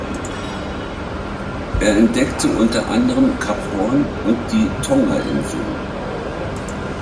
Er entdeckte unter anderem Kap Hoorn und die Tonga-Inseln.